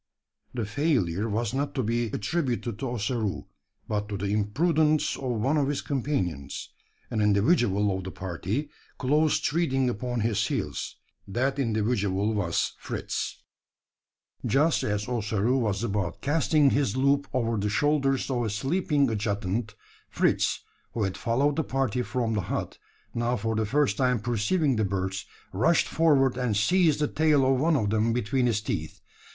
The failure was not to be attributed to Ossaroo; but to the imprudence of one of his companions an individual of the party close treading upon his heels. That individual was Fritz! Just as Ossaroo was about casting his loop over the shoulders of a sleeping adjutant, Fritz who had followed the party from the hut now for the first time perceiving the birds, rushed forward and seized the tail of one of them between his teeth.